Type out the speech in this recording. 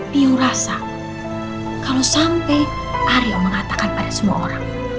tiu rasa kalau sampai aryo mengatakan pada semua orang